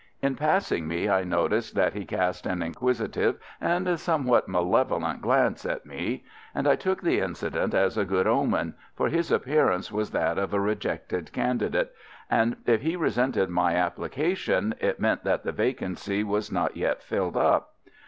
In passing me, I noticed that he cast an inquisitive and somewhat malevolent glance at me, and I took the incident as a good omen, for his appearance was that of a rejected candidate, and if he resented my application it meant that the vacancy was not yet filled up.